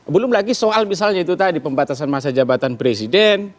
belum lagi soal misalnya itu tadi pembatasan masa jabatan presiden